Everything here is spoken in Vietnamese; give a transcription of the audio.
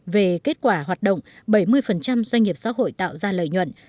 về kết quả hoạt động bảy mươi doanh nghiệp xã hội tạo ra lợi nhuận